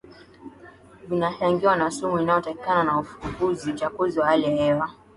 Vinachangiwa na sumu inayotokana na uchafuzi wa hali ya hewa